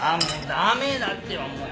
ダメだってばもう！